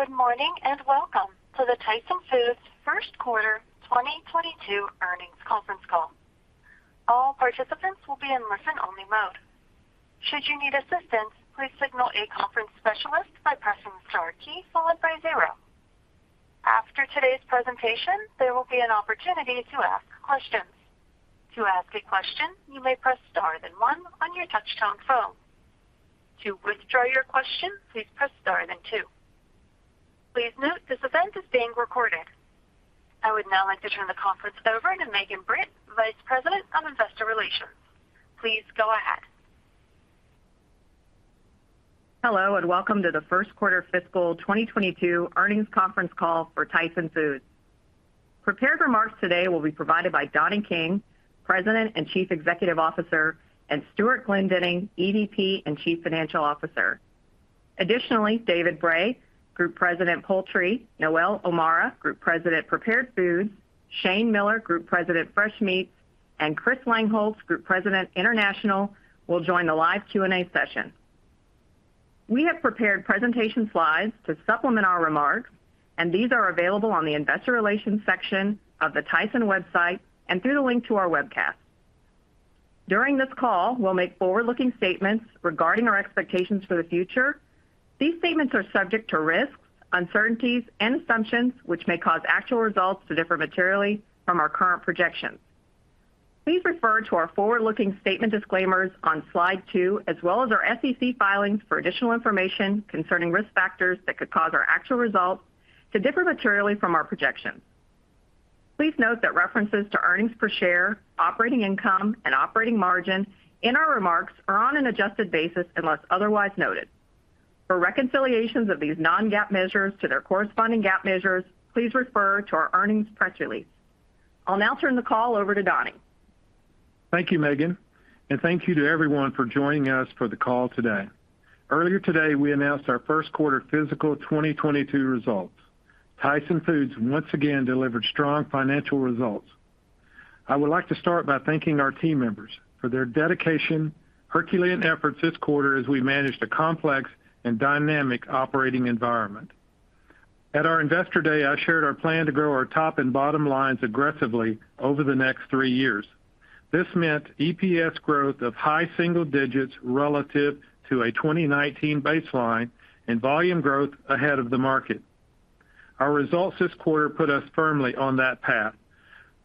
Good morning, and welcome to the Tyson Foods Q1 2022 earnings conference call. All participants will be in listen-only mode. Should you need assistance, please signal a conference specialist by pressing star key followed by zero. After today's presentation, there will be an opportunity to ask questions. To ask a question, you may press star then one on your touchtone phone. To withdraw your question, please press star then two. Please note this event is being recorded. I would now like to turn the conference over to Megan Britt, Vice President of Investor Relations. Please go ahead. Hello, and welcome to the Q1 fiscal 2022 earnings conference call for Tyson Foods. Prepared remarks today will be provided by Donnie King, President and Chief Executive Officer, and Stewart Glendinning, EVP and Chief Financial Officer. Additionally, David Bray, Group President, Poultry, Noelle O'Mara, Group President, Prepared Foods, Shane Miller, Group President, Fresh Meats, and Chris Langholz, Group President, International, will join the live Q&A session. We have prepared presentation slides to supplement our remarks, and these are available on the investor relations section of the Tyson website and through the link to our webcast. During this call, we'll make forward-looking statements regarding our expectations for the future. These statements are subject to risks, uncertainties and assumptions which may cause actual results to differ materially from our current projections. Please refer to our forward-looking statement disclaimers on slide two as well as our SEC filings for additional information concerning risk factors that could cause our actual results to differ materially from our projections. Please note that references to earnings per share, operating income and operating margin in our remarks are on an adjusted basis unless otherwise noted. For reconciliations of these non-GAAP measures to their corresponding GAAP measures, please refer to our earnings press release. I'll now turn the call over to Donnie. Thank you, Megan. Thank you to everyone for joining us for the call today. Earlier today, we announced our Q1 fiscal 2022 results. Tyson Foods once again delivered strong financial results. I would like to start by thanking our team members for their dedication, herculean efforts this quarter as we managed a complex and dynamic operating environment. At our Investor Day, I shared our plan to grow our top and bottom lines aggressively over the next three years. This meant EPS growth of high single digits relative to a 2019 baseline and volume growth ahead of the market. Our results this quarter put us firmly on that path.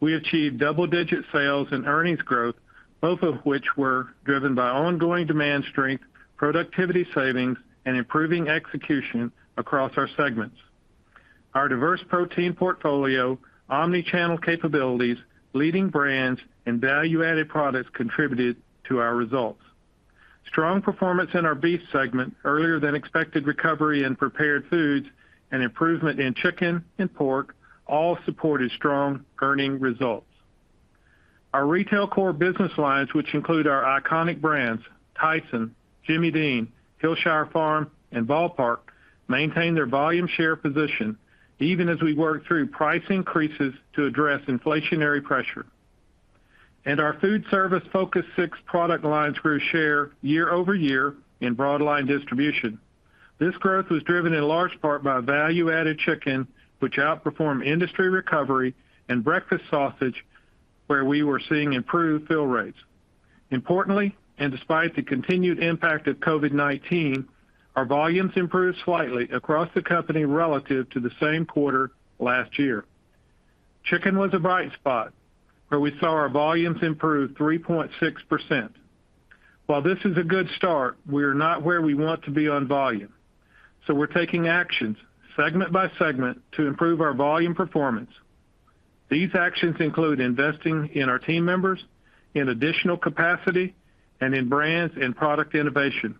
We achieved double-digit sales and earnings growth, both of which were driven by ongoing demand strength, productivity savings, and improving execution across our segments. Our diverse protein portfolio, omni-channel capabilities, leading brands, and value-added products contributed to our results. Strong performance in our beef segment, earlier than expected recovery in prepared foods, and improvement in chicken and pork all supported strong earnings results. Our retail core business lines, which include our iconic brands, Tyson, Jimmy Dean, Hillshire Farm, and Ball Park, maintain their volume share position even as we work through price increases to address inflationary pressure. Our food service focused six product lines grew share quarter-over-quarter in broad line distribution. This growth was driven in large part by value-added chicken, which outperformed industry recovery and breakfast sausage, where we were seeing improved fill rates. Importantly, despite the continued impact of COVID-19, our volumes improved slightly across the company relative to the same quarter last year. Chicken was a bright spot where we saw our volumes improve 3.6%. While this is a good start, we're not where we want to be on volume. We're taking actions segment by segment to improve our volume performance. These actions include investing in our team members, in additional capacity, and in brands and product innovation.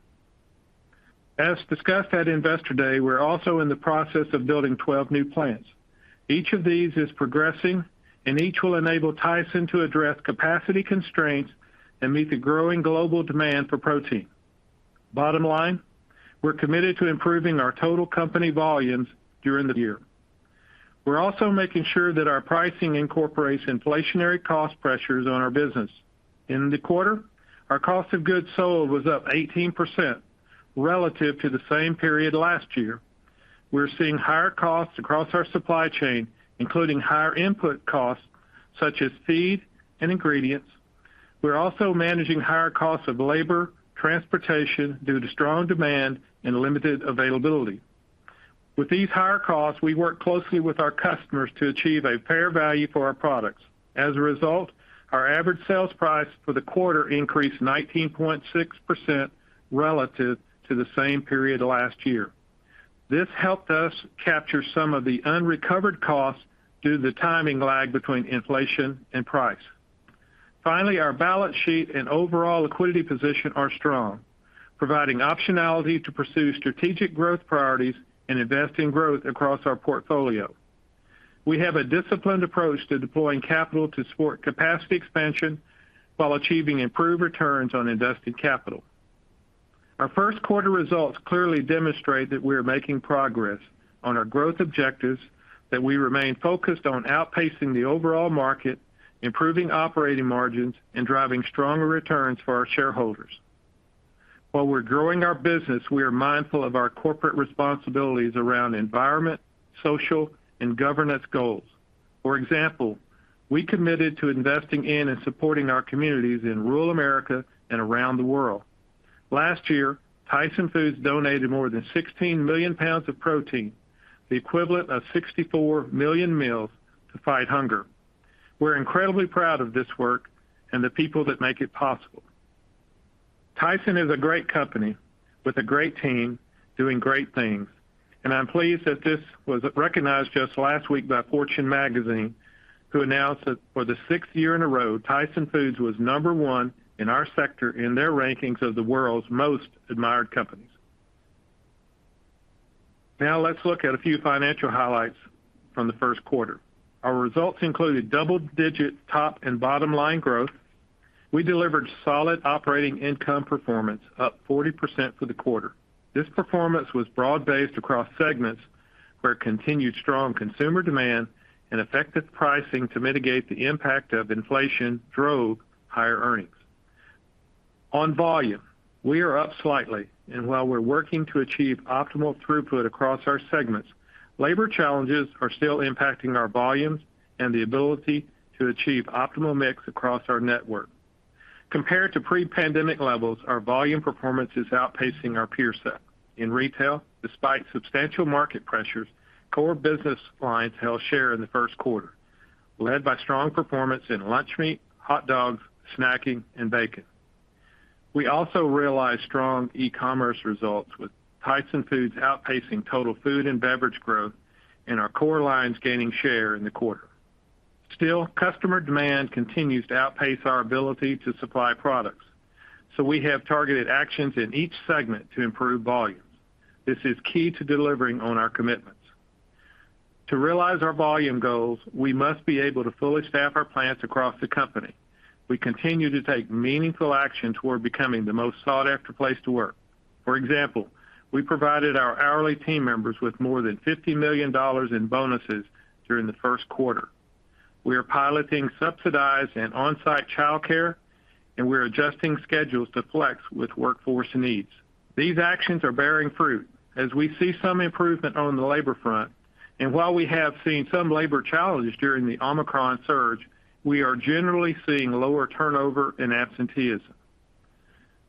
As discussed at Investor Day, we're also in the process of building 12 new plants. Each of these is progressing, and each will enable Tyson to address capacity constraints and meet the growing global demand for protein. Bottom line, we're committed to improving our total company volumes during the year. We're also making sure that our pricing incorporates inflationary cost pressures on our business. In the quarter, our cost of goods sold was up 18% relative to the same period last year. We're seeing higher costs across our supply chain, including higher input costs such as feed and ingredients. We're also managing higher costs of labor, transportation due to strong demand and limited availability. With these higher costs, we work closely with our customers to achieve a fair value for our products. As a result, our average sales price for the quarter increased 19.6% relative to the same period last year. This helped us capture some of the unrecovered costs due to the timing lag between inflation and price. Finally, our balance sheet and overall liquidity position are strong, providing optionality to pursue strategic growth priorities and invest in growth across our portfolio. We have a disciplined approach to deploying capital to support capacity expansion while achieving improved returns on invested capital. Our Q1 results clearly demonstrate that we are making progress on our growth objectives that we remain focused on outpacing the overall market, improving operating margins, and driving stronger returns for our shareholders. While we're growing our business, we are mindful of our corporate responsibilities around environment, social, and governance goals. For example, we committed to investing in and supporting our communities in rural America and around the world. Last year, Tyson Foods donated more than 16 million pounds of protein, the equivalent of 64 million meals to fight hunger. We're incredibly proud of this work and the people that make it possible. Tyson is a great company with a great team doing great things, and I'm pleased that this was recognized just last week by Fortune Magazine, who announced that for the sixth year in a row, Tyson Foods was No. 1 in our sector in their rankings of the world's most admired companies. Now let's look at a few financial highlights from the Q1. Our results included double-digit top and bottom line growth. We delivered solid operating income performance, up 40% for the quarter. This performance was broad-based across segments where continued strong consumer demand and effective pricing to mitigate the impact of inflation drove higher earnings. On volume, we are up slightly. While we're working to achieve optimal throughput across our segments, labor challenges are still impacting our volumes and the ability to achieve optimal mix across our network. Compared to pre-pandemic levels, our volume performance is outpacing our peer set. In retail, despite substantial market pressures, core business lines held share in the Q1, led by strong performance in lunch meat, hot dogs, snacking, and bacon. We also realized strong e-commerce results with Tyson Foods outpacing total food and beverage growth and our core lines gaining share in the quarter. Still, customer demand continues to outpace our ability to supply products. We have targeted actions in each segment to improve volumes. This is key to delivering on our commitments. To realize our volume goals, we must be able to fully staff our plants across the company. We continue to take meaningful action toward becoming the most sought-after place to work. For example, we provided our hourly team members with more than $50 million in bonuses during the Q1. We are piloting subsidized and on-site childcare, and we're adjusting schedules to flex with workforce needs. These actions are bearing fruit as we see some improvement on the labor front. While we have seen some labor challenges during the Omicron surge, we are generally seeing lower turnover and absenteeism.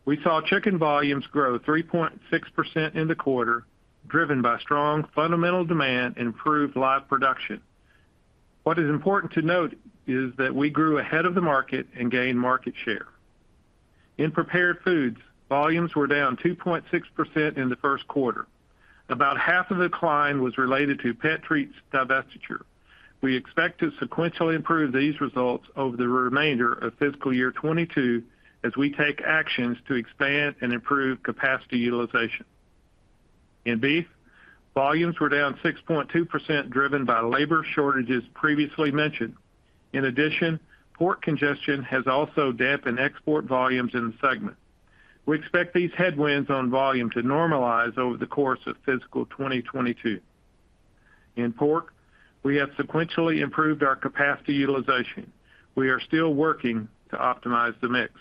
We saw chicken volumes grow 3.6% in the quarter, driven by strong fundamental demand and improved live production. What is important to note is that we grew ahead of the market and gained market share. In prepared foods, volumes were down 2.6% in the Q1. About half of the decline was related to pet treats divestiture. We expect to sequentially improve these results over the remainder of FY 2022 as we take actions to expand and improve capacity utilization. In beef, volumes were down 6.2%, driven by labor shortages previously mentioned. In addition, port congestion has also dampened export volumes in the segment. We expect these headwinds on volume to normalize over the course of fiscal 2022. In pork, we have sequentially improved our capacity utilization. We are still working to optimize the mix.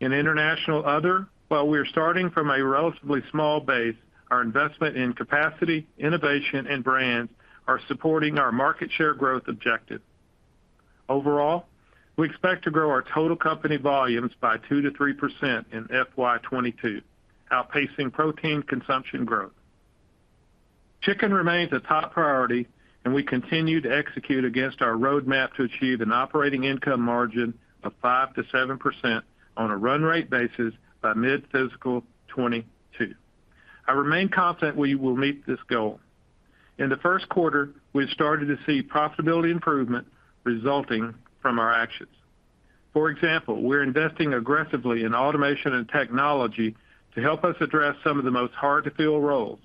In international other, while we're starting from a relatively small base, our investment in capacity, innovation, and brand are supporting our market share growth objective. Overall, we expect to grow our total company volumes by 2%-3% in FY 2022, outpacing protein consumption growth. Chicken remains a top priority, and we continue to execute against our roadmap to achieve an operating income margin of 5%-7% on a run rate basis by mid-fiscal 2022. I remain confident we will meet this goal. In the Q1, we've started to see profitability improvement resulting from our actions. For example, we're investing aggressively in automation and technology to help us address some of the most hard-to-fill roles.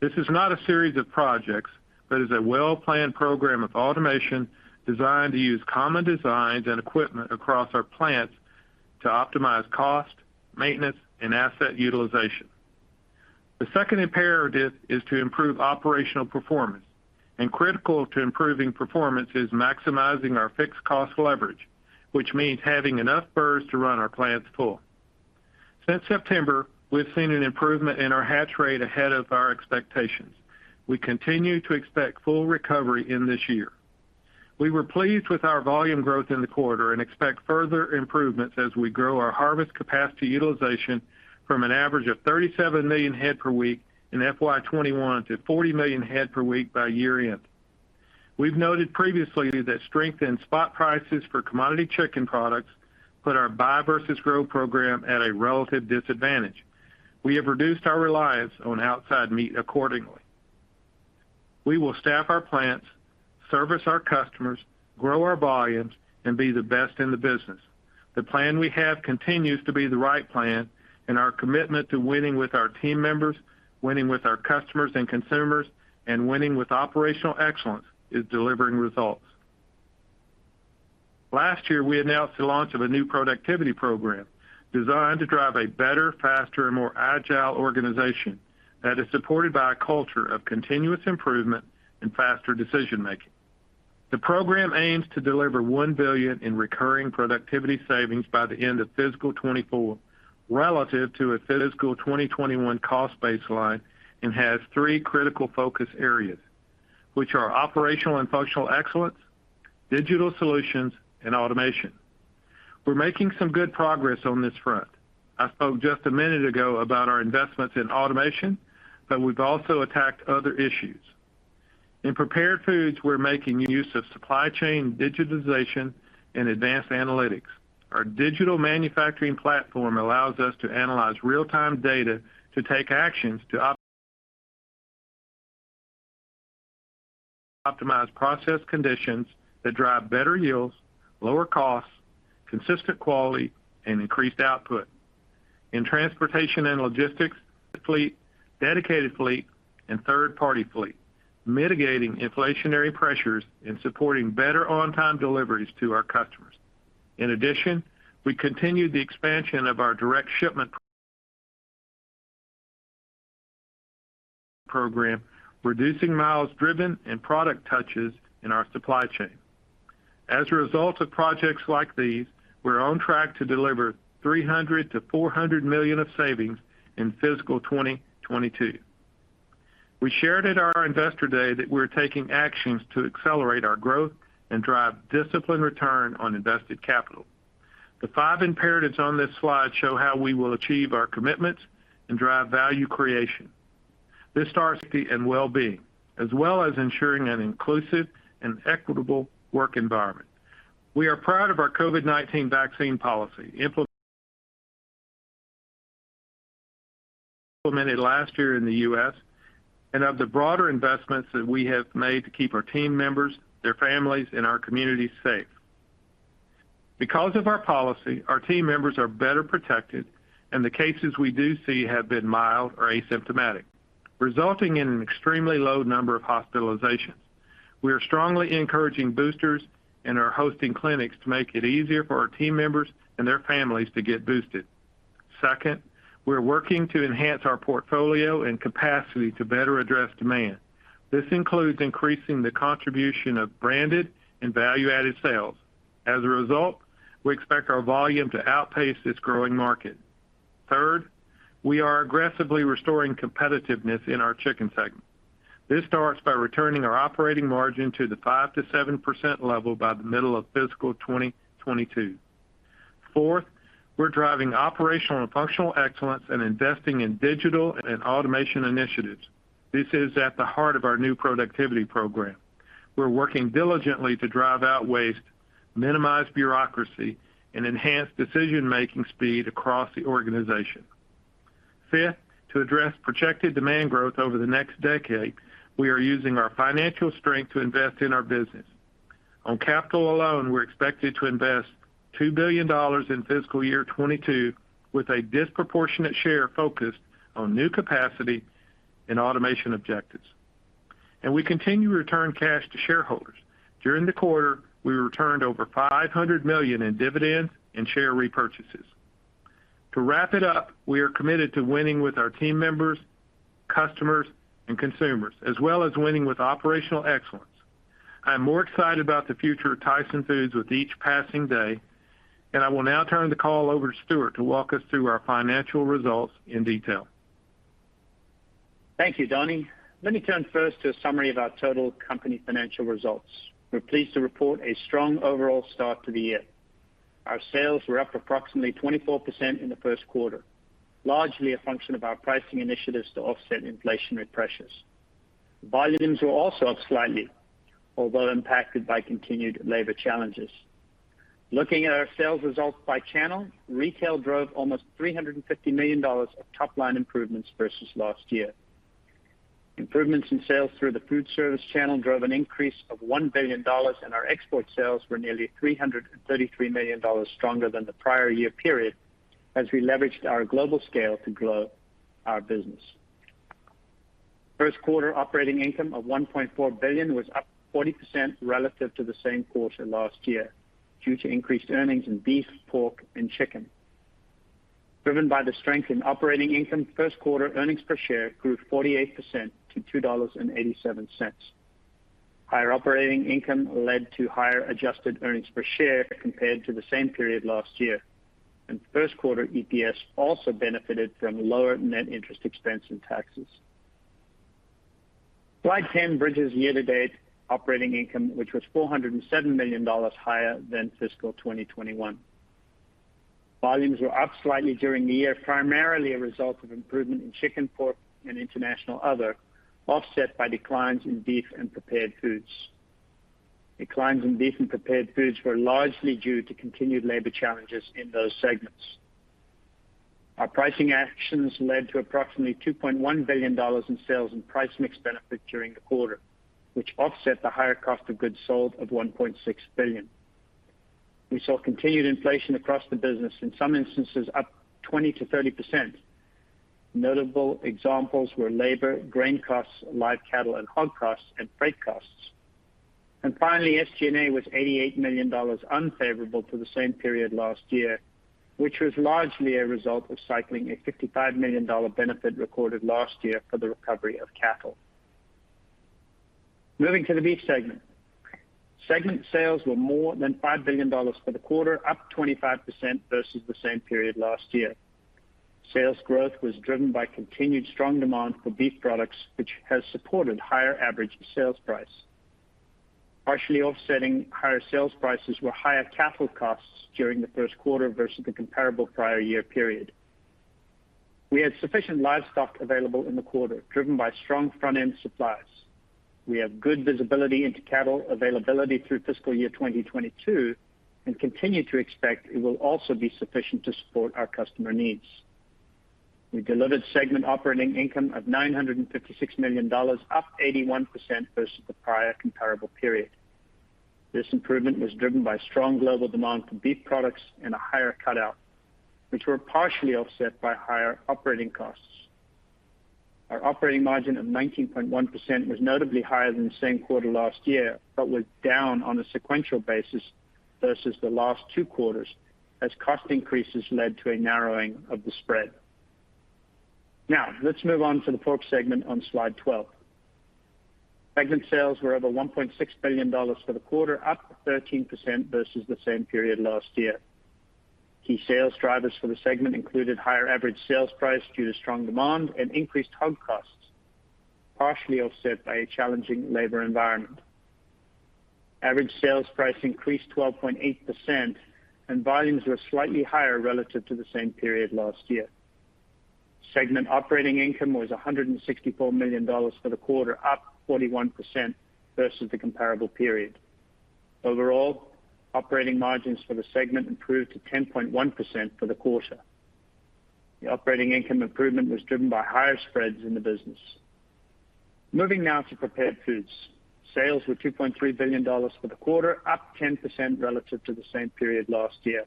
This is not a series of projects, but is a well-planned program of automation designed to use common designs and equipment across our plants to optimize cost, maintenance, and asset utilization. The second imperative is to improve operational performance, and critical to improving performance is maximizing our fixed cost leverage, which means having enough birds to run our plants full. Since September, we've seen an improvement in our hatch rate ahead of our expectations. We continue to expect full recovery in this year. We were pleased with our volume growth in the quarter and expect further improvements as we grow our harvest capacity utilization from an average of 37 million head per week in FY 2021 to 40 million head per week by year-end. We've noted previously that strength in spot prices for commodity chicken products put our buy versus grow program at a relative disadvantage. We have reduced our reliance on outside meat accordingly. We will staff our plants, service our customers, grow our volumes, and be the best in the business. The plan we have continues to be the right plan, and our commitment to winning with our team members, winning with our customers and consumers, and winning with operational excellence is delivering results. Last year, we announced the launch of a new productivity program designed to drive a better, faster, and more agile organization that is supported by a culture of continuous improvement and faster decision-making. The program aims to deliver $1 billion in recurring productivity savings by the end of FY 2024 relative to a FY 2021 cost baseline and has three critical focus areas, which are operational and functional excellence, digital solutions, and automation. We're making some good progress on this front. I spoke just a minute ago about our investments in automation, but we've also attacked other issues. In Prepared Foods, we're making use of supply chain digitization and advanced analytics. Our digital manufacturing platform allows us to analyze real-time data to take actions to optimize process conditions that drive better yields, lower costs, consistent quality, and increased output. In transportation and logistics, fleet, dedicated fleet, and third-party fleet mitigating inflationary pressures and supporting better on-time deliveries to our customers. In addition, we continue the expansion of our direct shipment program, reducing miles driven and product touches in our supply chain. As a result of projects like these, we're on track to deliver $300 million-400 million of savings in fiscal 2022. We shared at our Investor Day that we're taking actions to accelerate our growth and drive disciplined return on invested capital. The five imperatives on this slide show how we will achieve our commitments and drive value creation. This starts with safety and well-being, as well as ensuring an inclusive and equitable work environment. We are proud of our COVID-19 vaccine policy implemented last year in the U.S. and of the broader investments that we have made to keep our team members, their families, and our communities safe. Because of our policy, our team members are better protected, and the cases we do see have been mild or asymptomatic, resulting in an extremely low number of hospitalizations. We are strongly encouraging boosters and are hosting clinics to make it easier for our team members and their families to get boosted. Second, we're working to enhance our portfolio and capacity to better address demand. This includes increasing the contribution of branded and value-added sales. As a result, we expect our volume to outpace this growing market. Third, we are aggressively restoring competitiveness in our chicken segment. This starts by returning our operating margin to the 5%-7% level by the middle of FY 2022. Fourth, we're driving operational and functional excellence and investing in digital and automation initiatives. This is at the heart of our new productivity program. We're working diligently to drive out waste, minimize bureaucracy, and enhance decision-making speed across the organization. Fifth, to address projected demand growth over the next decade, we are using our financial strength to invest in our business. On capital alone, we're expected to invest $2 billion in FY 2022 with a disproportionate share focused on new capacity and automation objectives. We continue to return cash to shareholders. During the quarter, we returned over $500 million in dividends and share repurchases. To wrap it up, we are committed to winning with our team members, customers, and consumers, as well as winning with operational excellence. I am more excited about the future of Tyson Foods with each passing day, and I will now turn the call over to Stewart to walk us through our financial results in detail. Thank you, Donnie. Let me turn first to a summary of our total company financial results. We're pleased to report a strong overall start to the year. Our sales were up approximately 24% in the Q1, largely a function of our pricing initiatives to offset inflationary pressures. Volumes were also up slightly, although impacted by continued labor challenges. Looking at our sales results by channel, retail drove almost $350 million of top-line improvements versus last year. Improvements in sales through the food service channel drove an increase of $1 billion, and our export sales were nearly $333 million stronger than the prior year period as we leveraged our global scale to grow our business. Q1 operating income of $1.4 billion was up 40% relative to the same quarter last year due to increased earnings in Beef, Pork, and Chicken. Driven by the strength in operating income, Q1 earnings per share grew 48% to $2.87. Higher operating income led to higher adjusted earnings per share compared to the same period last year, and Q1 EPS also benefited from lower net interest expense and taxes. Slide 10 bridges year-to-date operating income, which was $407 million higher than fiscal 2021. Volumes were up slightly during the year, primarily a result of improvement in Chicken, Pork, and International/Other, offset by declines in Beef and Prepared Foods. Declines in Beef and Prepared Foods were largely due to continued labor challenges in those segments. Our pricing actions led to approximately $2.1 billion in sales and price mix benefit during the quarter, which offset the higher cost of goods sold of $1.6 billion. We saw continued inflation across the business, in some instances up 20%-30%. Notable examples were labor, grain costs, live cattle and hog costs, and freight costs. Finally, SG&A was $88 million unfavorable to the same period last year, which was largely a result of cycling a $55 million benefit recorded last year for the recovery of cattle. Moving to the Beef segment. Segment sales were more than $5 billion for the quarter, up 25% versus the same period last year. Sales growth was driven by continued strong demand for beef products, which has supported higher average sales price. Partially offsetting higher sales prices were higher cattle costs during the Q1 versus the comparable prior year period. We had sufficient livestock available in the quarter, driven by strong front-end supplies. We have good visibility into cattle availability through fiscal year 2022 and continue to expect it will also be sufficient to support our customer needs. We delivered segment operating income of $956 million, up 81% versus the prior comparable period. This improvement was driven by strong global demand for beef products and a higher cutout, which were partially offset by higher operating costs. Our operating margin of 19.1% was notably higher than the same quarter last year, but was down on a sequential basis versus the last two quarters as cost increases led to a narrowing of the spread. Now, let's move on to the Pork segment on slide 12. Segment sales were over $1.6 billion for the quarter, up 13% versus the same period last year. Key sales drivers for the segment included higher average sales price due to strong demand and increased hog costs, partially offset by a challenging labor environment. Average sales price increased 12.8% and volumes were slightly higher relative to the same period last year. Segment operating income was $164 million for the quarter, up 41% versus the comparable period. Overall, operating margins for the segment improved to 10.1% for the quarter. The operating income improvement was driven by higher spreads in the business. Moving now to Prepared Foods. Sales were $2.3 billion for the quarter, up 10% relative to the same period last year.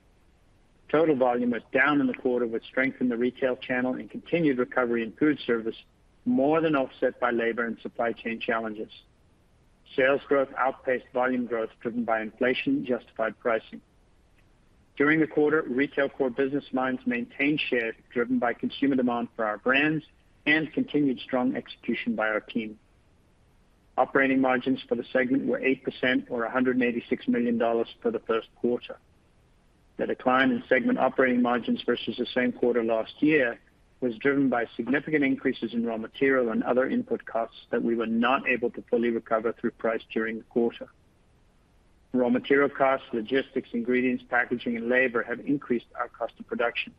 Total volume was down in the quarter, which strengthened the retail channel and continued recovery in food service more than offset by labor and supply chain challenges. Sales growth outpaced volume growth driven by inflation-justified pricing. During the quarter, retail core business lines maintained share driven by consumer demand for our brands and continued strong execution by our team. Operating margins for the segment were 8% or $186 million for the Q1. The decline in segment operating margins versus the same quarter last year was driven by significant increases in raw material and other input costs that we were not able to fully recover through price during the quarter. Raw material costs, logistics, ingredients, packaging, and labor have increased our cost of production.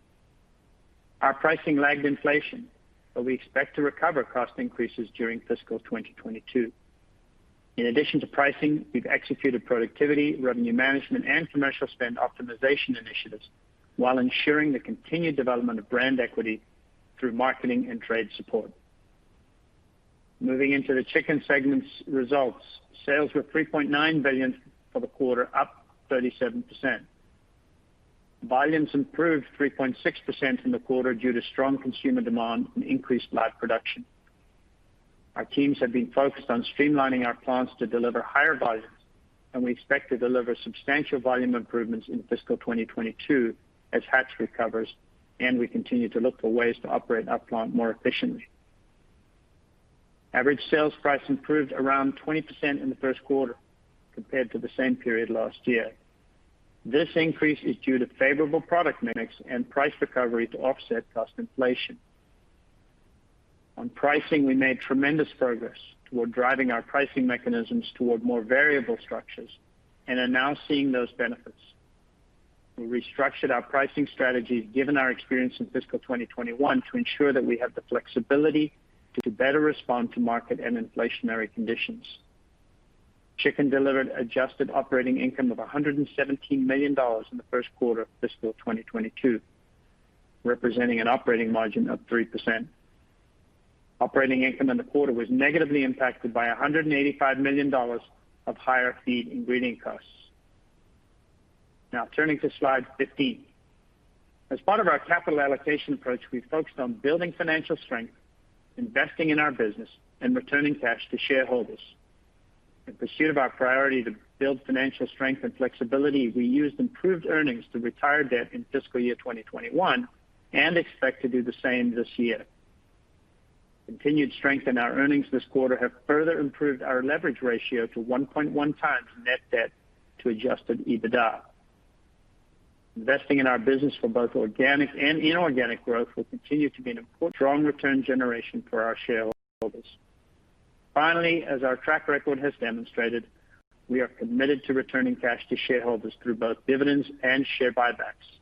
Our pricing lagged inflation, but we expect to recover cost increases during fiscal 2022. In addition to pricing, we've executed productivity, revenue management, and commercial spend optimization initiatives while ensuring the continued development of brand equity through marketing and trade support. Moving into the Chicken segment's results, sales were $3.9 billion for the quarter, up 37%. Volumes improved 3.6% in the quarter due to strong consumer demand and increased live production. Our teams have been focused on streamlining our plants to deliver higher volumes, and we expect to deliver substantial volume improvements in fiscal 2022 as hatch recovers and we continue to look for ways to operate our plant more efficiently. Average sales price improved around 20% in the Q1 compared to the same period last year. This increase is due to favorable product mix and price recovery to offset cost inflation. On pricing, we made tremendous progress toward driving our pricing mechanisms toward more variable structures and are now seeing those benefits. We restructured our pricing strategies given our experience in fiscal 2021 to ensure that we have the flexibility to better respond to market and inflationary conditions. Chicken delivered adjusted operating income of $117 million in the Q1 of fiscal 2022, representing an operating margin of 3%. Operating income in the quarter was negatively impacted by $185 million of higher feed ingredient costs. Now, turning to slide 15. As part of our capital allocation approach, we focused on building financial strength, investing in our business, and returning cash to shareholders. In pursuit of our priority to build financial strength and flexibility, we used improved earnings to retire debt in fiscal year 2021 and expect to do the same this year. Continued strength in our earnings this quarter have further improved our leverage ratio to 1.1 times net debt to adjusted EBITDA. Investing in our business for both organic and inorganic growth will continue to be a strong return generation for our shareholders. Finally, as our track record has demonstrated, we are committed to returning cash to shareholders through both dividends and share buybacks.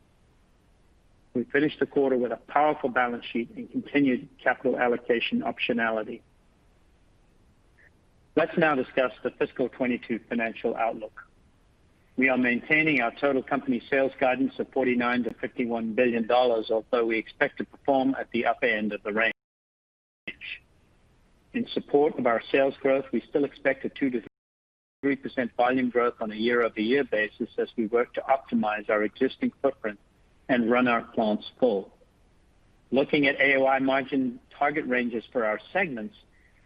We finished the quarter with a powerful balance sheet and continued capital allocation optionality. Let's now discuss the fiscal 2022 financial outlook. We are maintaining our total company sales guidance of $49 billion-51 billion, although we expect to perform at the upper end of the range. In support of our sales growth, we still expect a 2%-3% volume growth on a quarter-over-quarter basis as we work to optimize our existing footprint and run our plants full. Looking at AOI margin target ranges for our segments,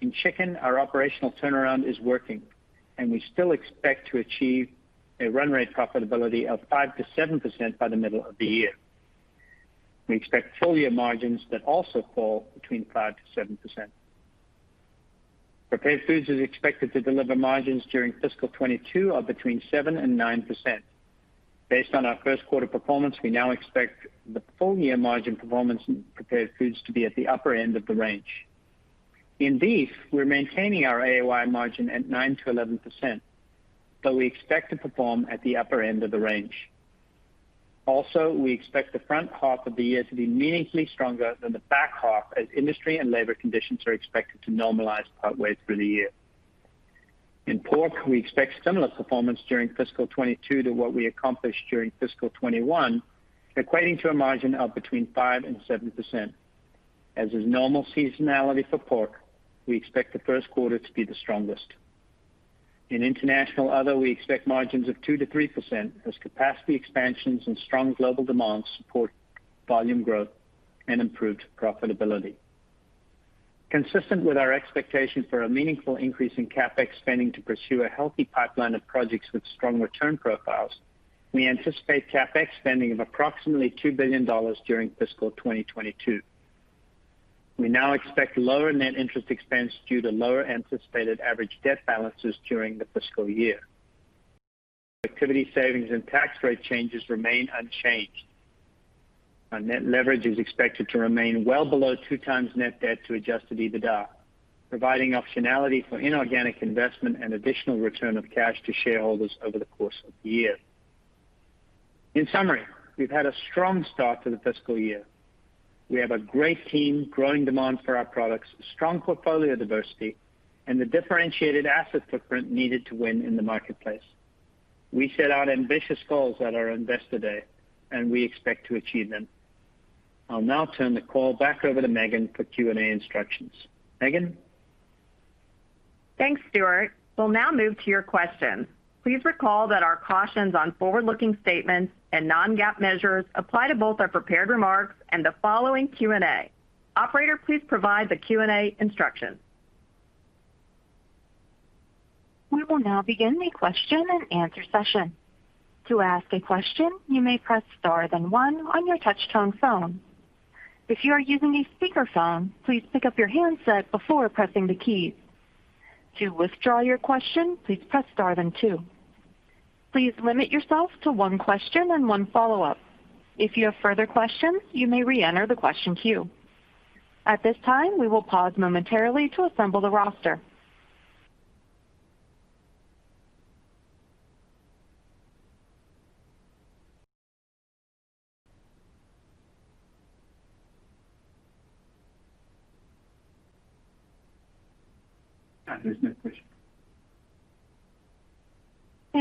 in Chicken, our operational turnaround is working, and we still expect to achieve a run rate profitability of 5%-7% by the middle of the year. We expect full year margins that also fall between 5%-7%. Prepared Foods is expected to deliver margins during FY 2022 of between 7%-9%. Based on our Q1 performance, we now expect the full year margin performance in Prepared Foods to be at the upper end of the range. In beef, we're maintaining our AOI margin at 9%-11%, but we expect to perform at the upper end of the range. Also, we expect the front half of the year to be meaningfully stronger than the back half as industry and labor conditions are expected to normalize partway through the year. In pork, we expect similar performance during FY 2022 to what we accomplished during FY 2021, equating to a margin of between 5% and 7%. As is normal seasonality for pork, we expect the Q1 to be the strongest. In international/other, we expect margins of 2%-3% as capacity expansions and strong global demand support volume growth and improved profitability. Consistent with our expectation for a meaningful increase in CapEx spending to pursue a healthy pipeline of projects with strong return profiles, we anticipate CapEx spending of approximately $2 billion during fiscal 2022. We now expect lower net interest expense due to lower anticipated average debt balances during the fiscal year. Activity savings and tax rate changes remain unchanged. Our net leverage is expected to remain well below two times net debt to adjusted EBITDA, providing optionality for inorganic investment and additional return of cash to shareholders over the course of the year. In summary, we've had a strong start to the fiscal year. We have a great team, growing demand for our products, strong portfolio diversity, and the differentiated asset footprint needed to win in the marketplace. We set out ambitious goals at our Investor Day, and we expect to achieve them. I'll now turn the call back over to Megan for Q&A instructions. Megan? Thanks, Stewart. We'll now move to your questions. Please recall that our cautions on forward-looking statements and non-GAAP measures apply to both our prepared remarks and the following Q&A. Operator, please provide the Q&A instructions. We will now begin the question and answer session. To ask a question, you may press star then one on your touch-tone phone. If you are using a speakerphone, please pick up your handset before pressing the keys. To withdraw your question, please press star then two. Please limit yourself to one question and one follow-up. If you have further questions, you may reenter the question queue. At this time, we will pause momentarily to assemble the roster. There's no question.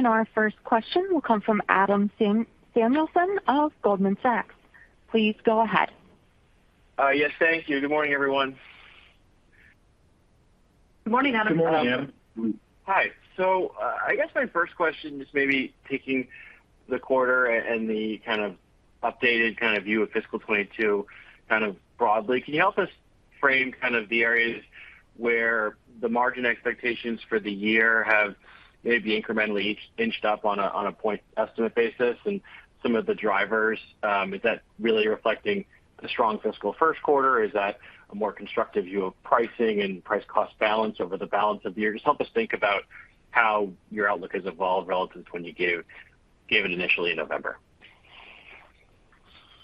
Our first question will come from Adam Samuelson of Goldman Sachs. Please go ahead. Yes, thank you. Good morning, everyone. Good morning, Adam. Good morning, Adam. Hi. I guess my first question, just maybe taking the quarter and the kind of updated kind of view of fiscal 2022 kind of broadly, can you help us frame kind of the areas where the margin expectations for the year have maybe incrementally inched up on a point estimate basis and some of the drivers? Is that really reflecting the strong fiscal Q1? Is that a more constructive view of pricing and price cost balance over the balance of the year? Just help us think about how your outlook has evolved relative to when you gave it initially in November.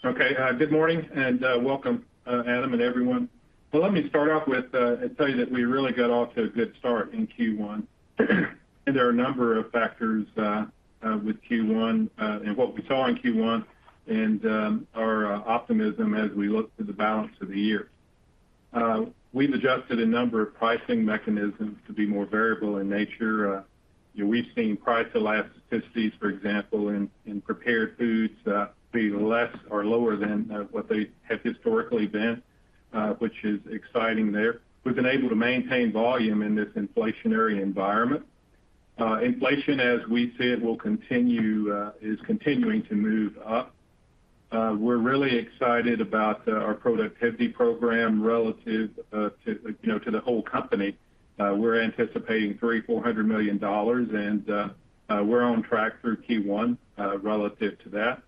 Okay. Good morning, and welcome, Adam and everyone. Let me start off and tell you that we really got off to a good start in Q1. There are a number of factors with Q1 and what we saw in Q1 and our optimism as we look to the balance of the year. We've adjusted a number of pricing mechanisms to be more variable in nature. We've seen price elasticity, for example, in Prepared Foods, be less or lower than what they have historically been, which is exciting there. We've been able to maintain volume in this inflationary environment. Inflation, as we said, is continuing to move up. We're really excited about our productivity program relative to you know to the whole company. We're anticipating $300 million-400 million, and we're on track through Q1 relative to that.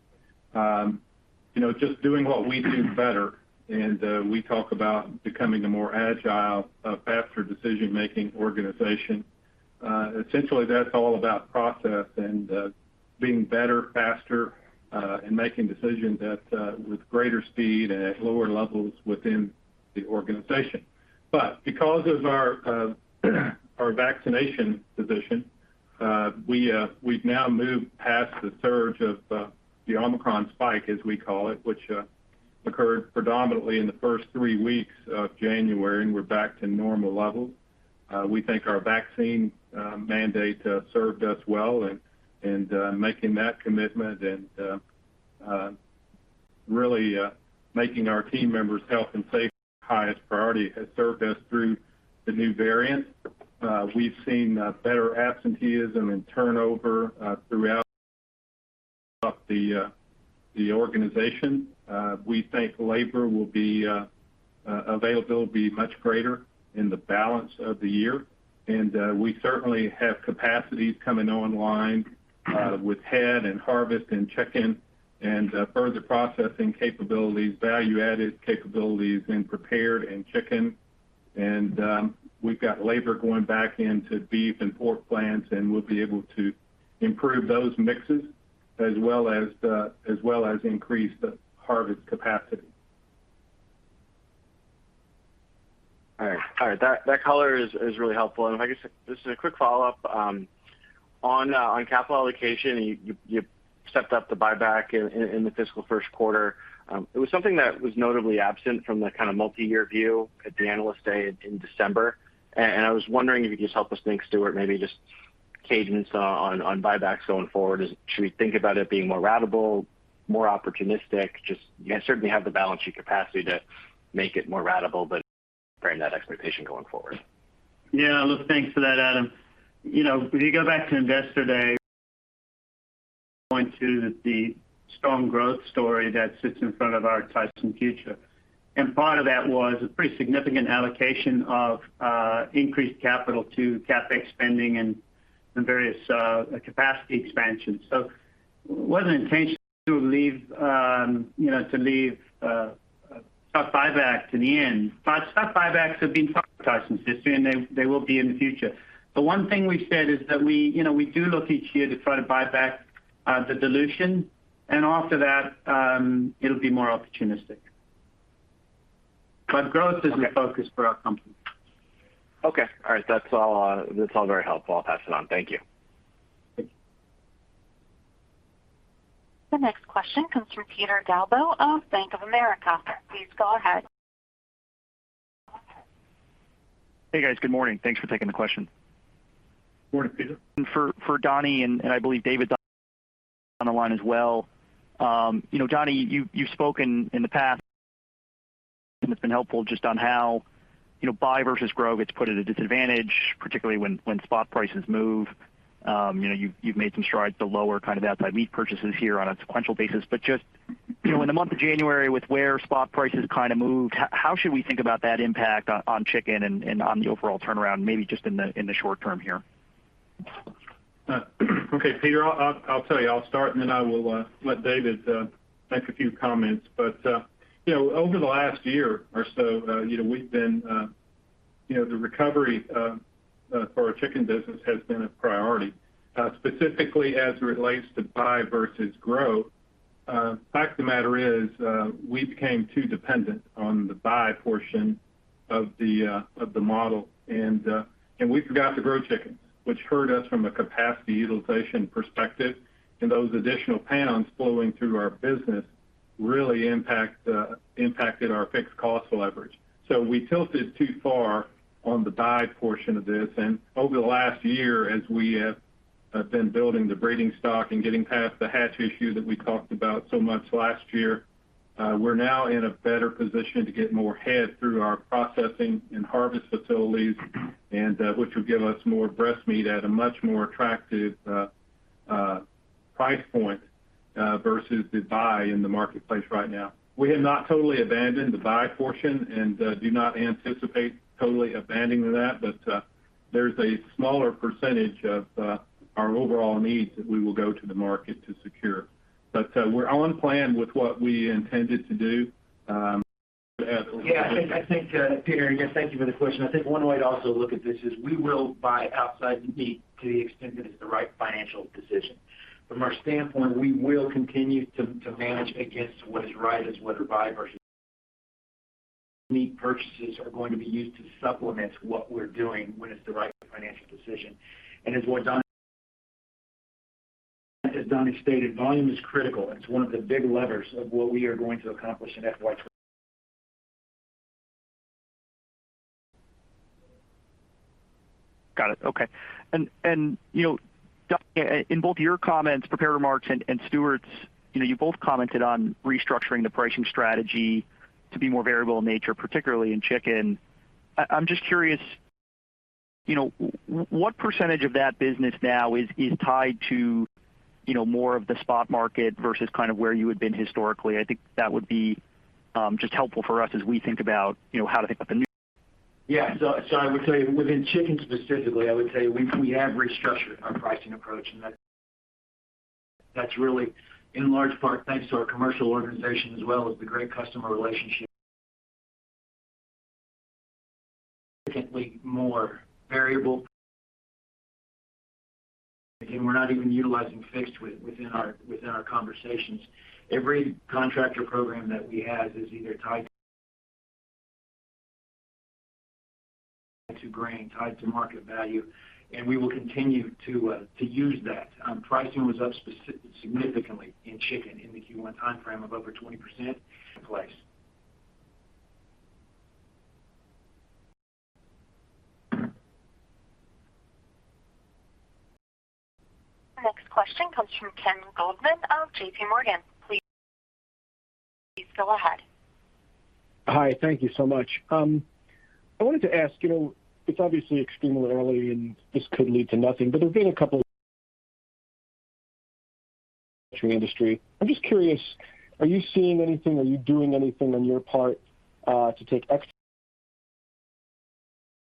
You know, just doing what we do better, and we talk about becoming a more agile, faster decision-making organization. Essentially, that's all about process and being better, faster, and making decisions at with greater speed and at lower levels within the organization. Because of our vaccination position, we've now moved past the surge of the Omicron spike, as we call it, which occurred predominantly in the first three weeks of January, and we're back to normal levels. We think our vaccine mandate served us well and making that commitment and Really, making our team members' health and safety highest priority has served us through the new variant. We've seen better absenteeism and turnover throughout the organization. We think labor availability will be much greater in the balance of the year. We certainly have capacities coming online with head and harvest and chicken and further processing capabilities, value-added capabilities in prepared and chicken. We've got labor going back into beef and pork plants, and we'll be able to improve those mixes as well as increase the harvest capacity. All right. That color is really helpful. If I could say just a quick follow-up on capital allocation, you stepped up the buyback in the fiscal Q1. It was something that was notably absent from the kind of multiyear view at the Analyst Day in December. I was wondering if you could just help us think through it, maybe just cadence on buybacks going forward. Should we think about it being more ratable, more opportunistic? You certainly have the balance sheet capacity to make it more ratable, but preparing that expectation going forward. Yeah. Look, thanks for that, Adam. You know, if you go back to Investor Day, point to the strong growth story that sits in front of our Tyson future. Part of that was a pretty significant allocation of increased capital to CapEx spending and various capacity expansion. It wasn't intentional to leave stock buyback to the end. Stock buybacks have been part of Tyson's history, and they will be in the future. The one thing we've said is that you know, we do look each year to try to buy back the dilution, and after that, it'll be more opportunistic. Growth is the focus for our company. Okay. All right. That's all very helpful. I'll pass it on. Thank you. Thank you. The next question comes from Peter Galbo of Bank of America. Please go ahead. Hey, guys. Good morning. Thanks for taking the question. Good morning, Peter. For Donnie and I believe David on the line as well. You know, Donnie, you've spoken in the past, and it's been helpful just on how, you know, buy versus grow gets put at a disadvantage, particularly when spot prices move. You know, you've made some strides to lower kind of outside meat purchases here on a sequential basis. Just, you know, in the month of January with where spot prices kind of moved, how should we think about that impact on chicken and on the overall turnaround, maybe just in the short term here? Okay, Peter, I'll tell you. I'll start, and then I will let David make a few comments. You know, over the last year or so, you know, we've been, you know, the recovery for our chicken business has been a priority. Specifically as it relates to buy versus grow, fact of the matter is, we became too dependent on the buy portion of the model. We forgot to grow chickens, which hurt us from a capacity utilization perspective. Those additional pounds flowing through our business really impacted our fixed cost leverage. We tilted too far on the buy portion of this. Over the last year, as we have been building the breeding stock and getting past the hatch issue that we talked about so much last year, we're now in a better position to get more head through our processing and harvest facilities and, which will give us more breast meat at a much more attractive price point, versus the buy in the marketplace right now. We have not totally abandoned the buy portion and do not anticipate totally abandoning that, but there's a smaller percentage of our overall needs that we will go to the market to secure. We're on plan with what we intended to do, as- Yeah, I think, Peter, again, thank you for the question. I think one way to also look at this is we will buy outside meat to the extent that it's the right financial decision. From our standpoint, we will continue to manage against what is right is whether buy versus meat purchases are going to be used to supplement what we're doing when it's the right financial decision. As Donnie stated, volume is critical, and it's one of the big levers of what we are going to accomplish in FY 2020. Got it. Okay. You know, Don, in both your comments, prepared remarks and Stewart's, you know, you both commented on restructuring the pricing strategy to be more variable in nature, particularly in chicken. I'm just curious, you know, what percentage of that business now is tied to, you know, more of the spot market versus kind of where you had been historically? I think that would be just helpful for us as we think about, you know, how to think about the new- I would tell you within chicken specifically, we have restructured our pricing approach, and that's really in large part thanks to our commercial organization as well as the great customer relationship, significantly more variable. We're not even utilizing fixed within our conversations. Every contractor program that we have is either tied to grain, tied to market value, and we will continue to use that. Pricing was up significantly in chicken in the Q1 time frame of over 20% in place. Next question comes from Ken Goldman of J.P. Morgan. Please go ahead. Hi. Thank you so much. I wanted to ask, you know, it's obviously extremely early, and this could lead to nothing, but there's been a couple industry. I'm just curious, are you seeing anything? Are you doing anything on your part to take extra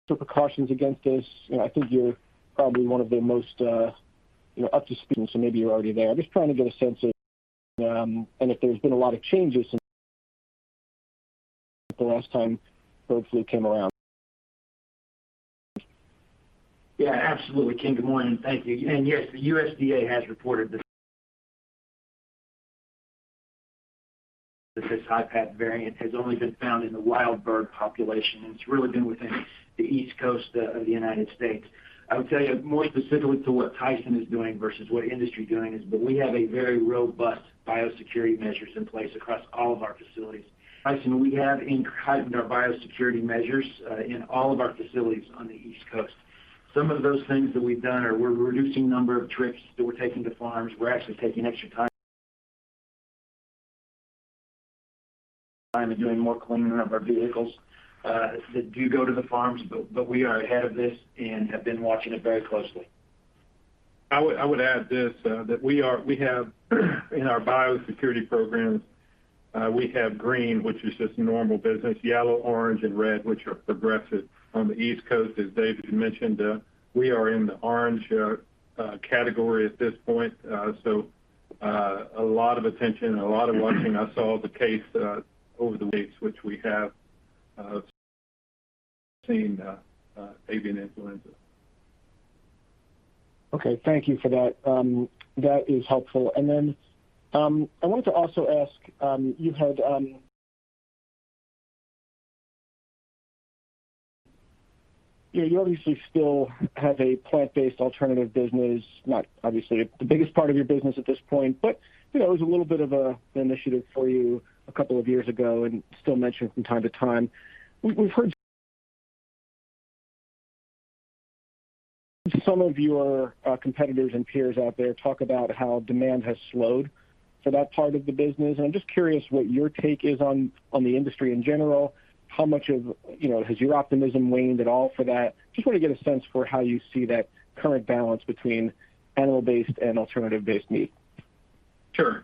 precautions against this? You know, I think you're probably one of the most, you know, up to speed, and so maybe you're already there. I'm just trying to get a sense of, and if there's been a lot of changes since the last time bird flu came around. Yeah, absolutely. Ken, good morning. Thank you. Yes, the USDA has reported that this highly pathogenic variant has only been found in the wild bird population, and it's really been within the East Coast of the U.S. I would tell you more specifically to what Tyson is doing versus what industry doing is that we have a very robust biosecurity measures in place across all of our facilities. Tyson, we have heightened our biosecurity measures in all of our facilities on the East Coast. Some of those things that we've done are we're reducing number of trips that we're taking to farms. We're actually taking extra time and doing more cleaning of our vehicles that do go to the farms. But we are ahead of this and have been watching it very closely. I would add this, that we have in our biosecurity programs, we have green, which is just normal business, yellow, orange and red, which are progressive. On the East Coast, as David mentioned, we are in the orange category at this point. A lot of attention and a lot of watching. I saw the case over the weeks which we have seen avian influenza. Okay, thank you for that. That is helpful. I wanted to also ask, you had... You know, you obviously still have a plant-based alternative business. Not obviously the biggest part of your business at this point, but you know, it was a little bit of an initiative for you a couple of years ago and still mentioned from time to time. We've heard some of your competitors and peers out there talk about how demand has slowed for that part of the business. I'm just curious what your take is on the industry in general. How much of, you know, has your optimism waned at all for that? Just want to get a sense for how you see that current balance between animal-based and alternative-based meat. Sure.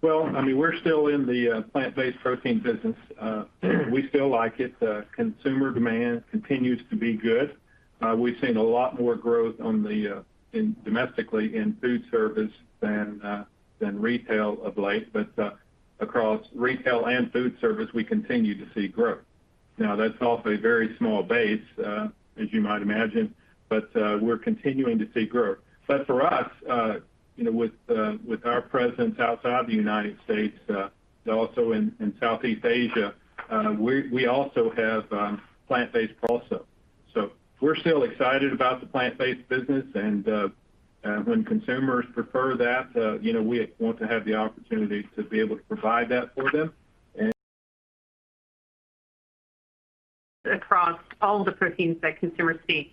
Well, I mean, we're still in the plant-based protein business. We still like it. The consumer demand continues to be good. We've seen a lot more growth in domestic food service than retail of late. Across retail and food service, we continue to see growth. Now that's off a very small base, as you might imagine, but we're continuing to see growth. For us, you know, with our presence outside the United States, also in Southeast Asia, we also have plant-based products. We're still excited about the plant-based business. When consumers prefer that, you know, we want to have the opportunity to be able to provide that for them and- Across all the proteins that consumers seek.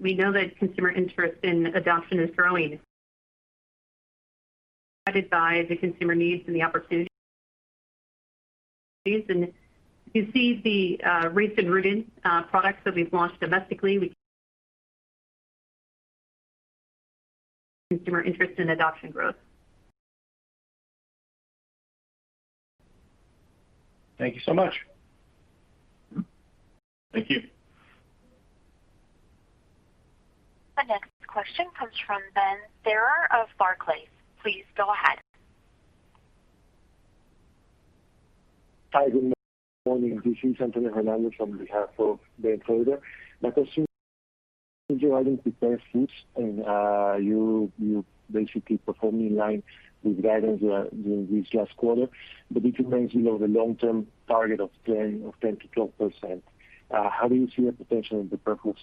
We know that consumer interest in adoption is growing, guided by the consumer needs and the opportunities. You see the recent Raised & Rooted products that we've launched domestically. Consumer interest and adoption growth. Thank you so much. Thank you. The next question comes from Benjamin Theure of Barclays. Please go ahead. Hi, good morning. This is Antonio Hernandez on behalf of Benjamin Theure. My question and you basically performed in line with guidance during this last quarter. If you mentioned the long-term target of 10%-12%, how do you see the potential for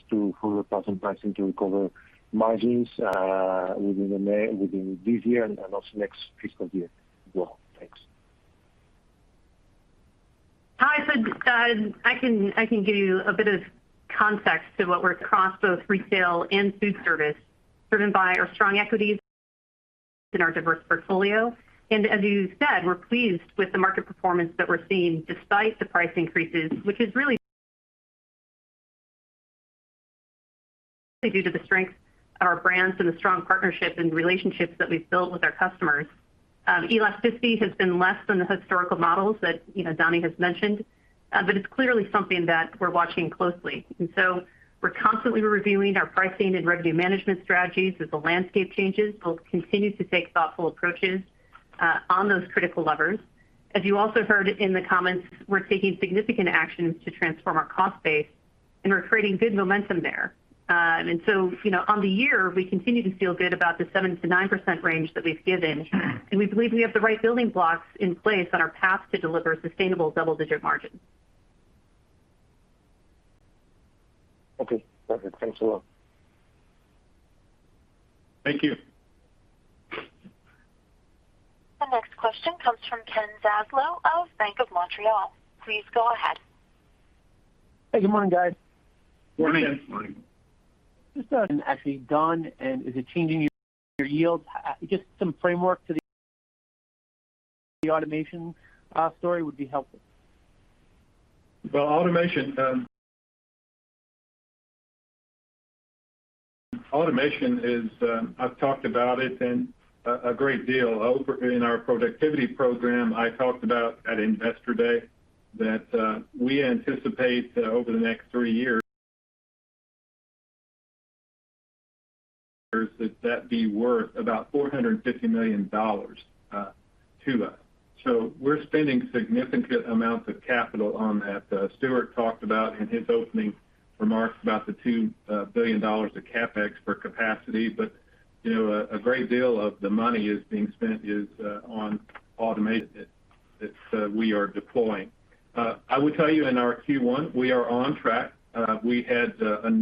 the passing pricing to recover margins within this year and also next fiscal year as well? Thanks. Hi. I can give you a bit of context to what we're seeing across both retail and food service, driven by our strong equities in our diverse portfolio. As you said, we're pleased with the market performance that we're seeing despite the price increases, which is really due to the strength of our brands and the strong partnerships and relationships that we've built with our customers. Elasticity has been less than the historical models that, you know, Donnie has mentioned. It's clearly something that we're watching closely. We're constantly reviewing our pricing and revenue management strategies as the landscape changes. We'll continue to take thoughtful approaches on those critical levers. As you also heard in the comments, we're taking significant actions to transform our cost base, and we're creating good momentum there. You know, on the year, we continue to feel good about the 7%-9% range that we've given, and we believe we have the right building blocks in place on our path to deliver sustainable double-digit margins. Okay, perfect. Thanks a lot. Thank you. The next question comes from Kenneth Zaslow of Bank of Montreal. Please go ahead. Hey, good morning, guys. Morning. Is it actually done, and is it changing your yields? Just some framework to the automation story would be helpful. Well, automation is. I've talked about it and a great deal over in our productivity program. I talked about at Investor Day that we anticipate over the next three years that be worth about $450 million to us. We're spending significant amounts of capital on that. Stewart talked about in his opening remarks about the $2 billion of CapEx for capacity. You know, a great deal of the money is being spent on automation that we are deploying. I will tell you in our Q1, we are on track. We had a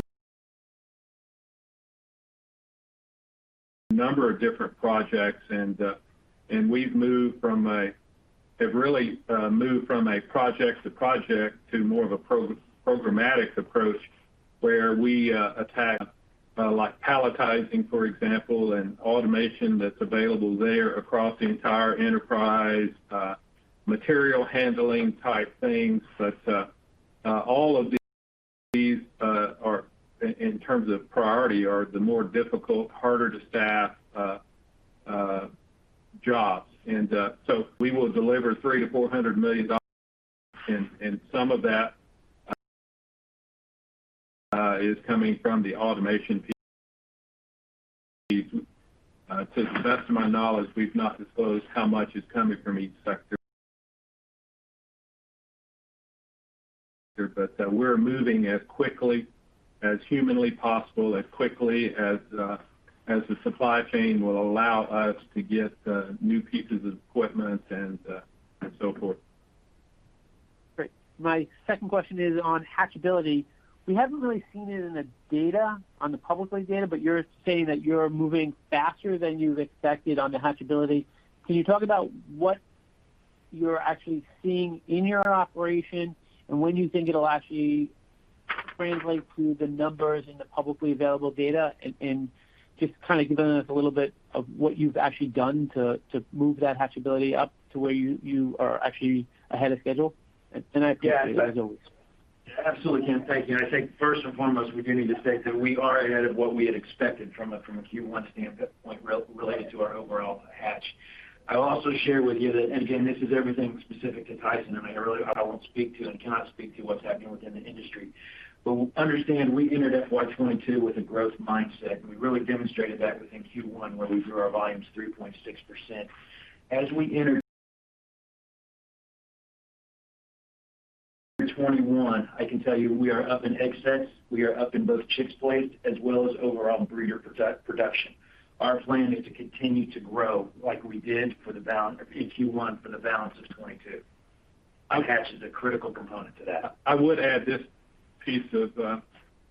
number of different projects and we've moved from a project to project to more of a programmatic approach where we attack like palletizing, for example, and automation that's available there across the entire enterprise, material handling type things. All of these are, in terms of priority, the more difficult, harder to staff jobs. We will deliver $300 million-400 million and some of that is coming from the automation piece. To the best of my knowledge, we've not disclosed how much is coming from each sector. We're moving as quickly as humanly possible, as the supply chain will allow us to get new pieces of equipment and so forth. Great. My second question is on hatchability. We haven't really seen it in the data, in the public data, but you're saying that you're moving faster than you've expected on the hatchability. Can you talk about what you're actually seeing in your operation and when you think it'll actually translate to the numbers in the publicly available data? And just kind of giving us a little bit of what you've actually done to move that hatchability up to where you are actually ahead of schedule. I appreciate it, as always. Absolutely, Ken. Thank you. I think first and foremost, we do need to state that we are ahead of what we had expected from a Q1 standpoint related to our overall hatch. I'll also share with you that and again, this is everything specific to Tyson and I really won't speak to and cannot speak to what's happening within the industry. Understand we entered FY 2022 with a growth mindset, and we really demonstrated that within Q1 where we grew our volumes 3.6%. As we enter 2021, I can tell you we are up in egg sets, we are up in both chicks placed as well as overall breeder production. Our plan is to continue to grow like we did in Q1 for the balance of 2022. Hatch is a critical component to that. I would add this piece of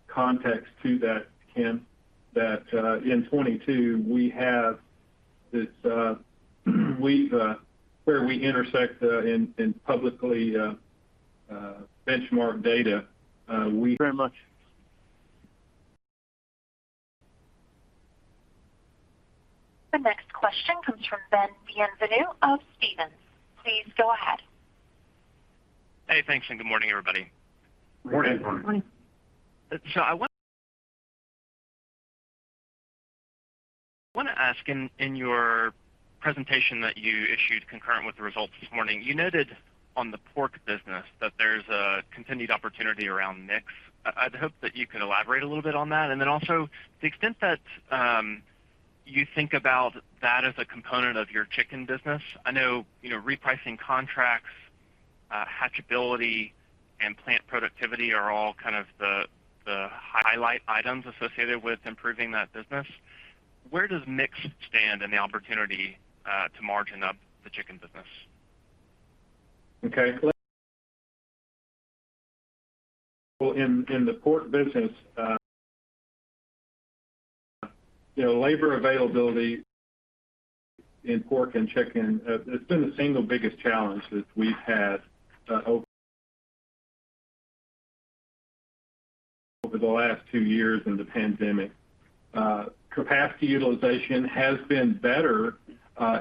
context to that, Ken, that in 2022 where we intersect in public benchmark data, we Very much. The next question comes from Ben Bienvenu of Stephens. Please go ahead. Hey, thanks, and good morning, everybody. Morning. I want to ask in your presentation that you issued concurrent with the results this morning, you noted on the pork business that there's a continued opportunity around mix. I'd hope that you could elaborate a little bit on that. Then also, to the extent that you think about that as a component of your chicken business. I know, you know, repricing contracts, hatchability and plant productivity are all kind of the highlight items associated with improving that business. Where does mix stand in the opportunity to margin up the chicken business? Okay. Well, in the pork business, you know, labor availability in pork and chicken, it's been the single biggest challenge that we've had over the last two years in the pandemic. Capacity utilization has been better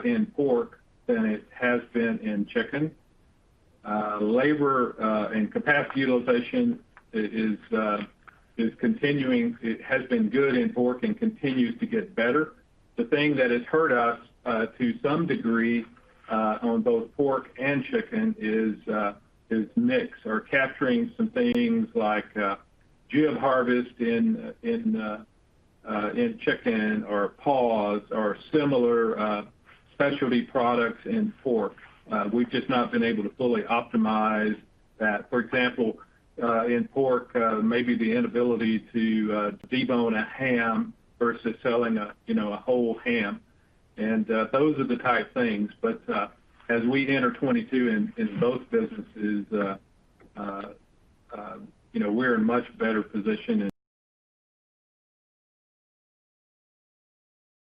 in pork than it has been in chicken. Labor and capacity utilization is continuing. It has been good in pork and continues to get better. The thing that has hurt us to some degree on both pork and chicken is mix or capturing some things like giblet harvest in chicken or paws or similar specialty products in pork. We've just not been able to fully optimize that. For example, in pork, maybe the inability to debone a ham versus selling a whole ham. Those are the type of things. As we enter 2022 in both businesses, you know, we're in much better position and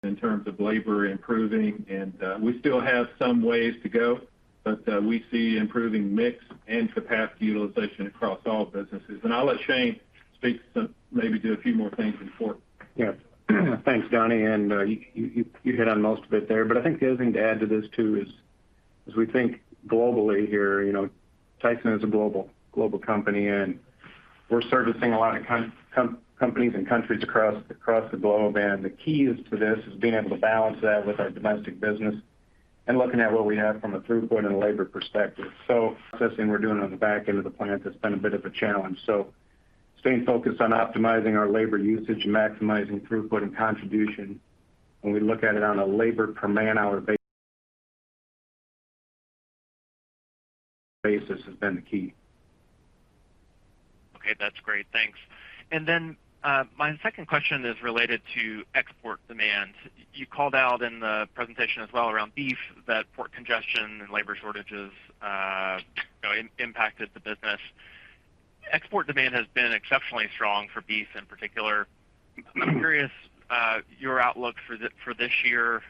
in terms of labor improving and we still have some ways to go, but we see improving mix and capacity utilization across all businesses. I'll let Shane speak to maybe do a few more things in pork. Yes. Thanks, Donnie. You hit on most of it there. I think the other thing to add to this too is, as we think globally here, you know, Tyson is a global company, and we're servicing a lot of companies and countries across the globe. The keys to this is being able to balance that with our domestic business and looking at what we have from a throughput and labor perspective. Processing we're doing on the back end of the plant has been a bit of a challenge. Staying focused on optimizing our labor usage and maximizing throughput and contribution when we look at it on a labor per man-hour basis has been the key. Okay, that's great. Thanks. My second question is related to export demand. You called out in the presentation as well around beef that port congestion and labor shortages, you know, impacted the business. Export demand has been exceptionally strong for beef in particular. Mm-hmm. I'm curious, your outlook for this year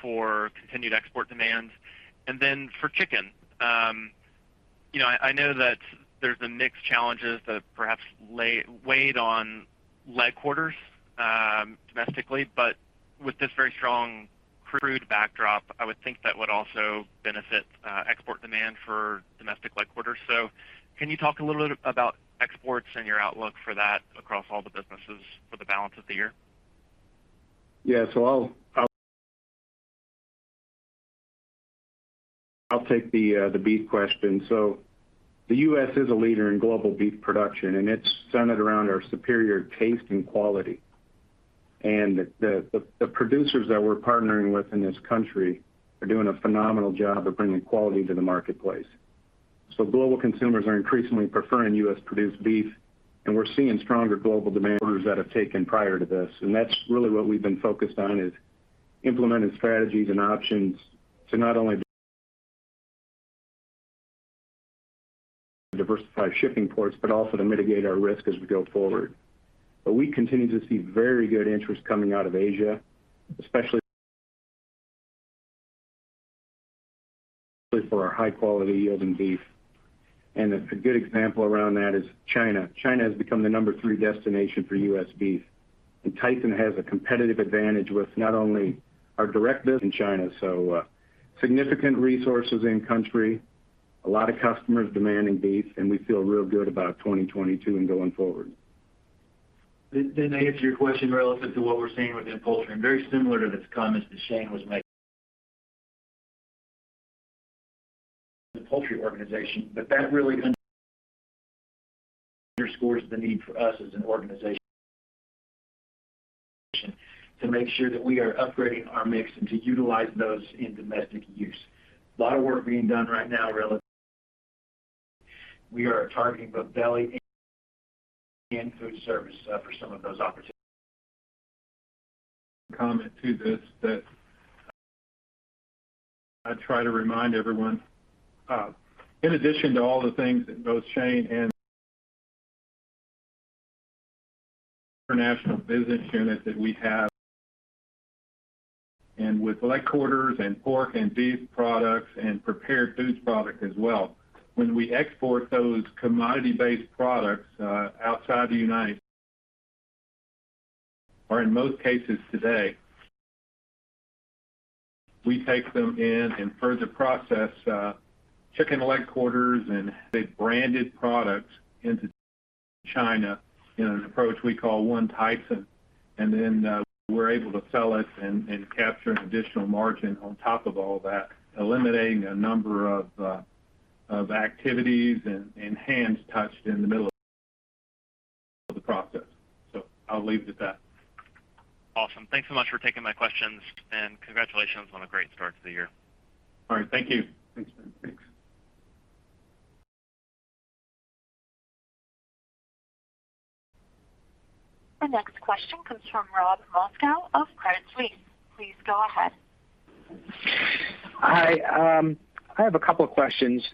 for continued export demands. Then for chicken, you know, I know that there's the mix challenges that perhaps weighed on leg quarters, domestically. With this very strong crude backdrop, I would think that would also benefit export demand for domestic leg quarters. Can you talk a little bit about exports and your outlook for that across all the businesses for the balance of the year? Yeah. I'll take the beef question. The U.S. is a leader in global beef production, and it's centered around our superior taste and quality. The producers that we're partnering with in this country are doing a phenomenal job of bringing quality to the marketplace. Global consumers are increasingly preferring U.S.-produced beef, and we're seeing stronger global demand for orders that have taken prior to this. That's really what we've been focused on, is implementing strategies and options to not only diversify shipping ports, but also to mitigate our risk as we go forward. We continue to see very good interest coming out of Asia, especially for our high-quality yielding beef. A good example around that is China. China has become the number three destination for U.S. beef, and Tyson has a competitive advantage with not only our direct business in China. Significant resources in country, a lot of customers demanding beef, and we feel real good about 2022 and going forward. Did I answer your question relative to what we're seeing within poultry? Very similar to the comments that Shane was making, the poultry organization. That really underscores the need for us as an organization to make sure that we are upgrading our mix and to utilize those in domestic use. A lot of work being done right now relative. We are targeting both deli and food service for some of those opportunities. Comment to this that I try to remind everyone in addition to all the things that both Shane and international business unit that we have, and with leg quarters and pork and beef products and prepared foods product as well. When we export those commodity-based products, outside, or in most cases today, we take them in and further process chicken leg quarters and the branded products into China in an approach we call One Tyson. Then, we're able to sell it and capture an additional margin on top of all that, eliminating a number of activities and hands touched in the middle of the process. I'll leave it at that. Awesome. Thanks so much for taking my questions, and congratulations on a great start to the year. All right. Thank you. Thanks, Ben. Thanks. The next question comes from Robert Moskow of Credit Suisse. Please go ahead. Hi. I have a couple questions.